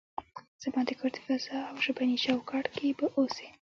زما د کور د فضا او ژبني چوکاټ کې به اوسئ.